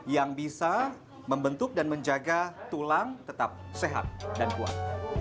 yang bisa membentuk dan menjaga tulang tetap sehat dan kuat